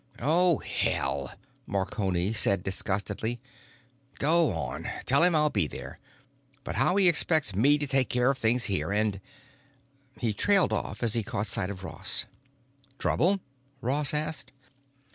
"Oh, hell," Marconi said disgustedly. "Go on. Tell him I'll be there. But how he expects me to take care of things here and——" He trailed off as he caught sight of Ross. "Trouble?" Ross asked.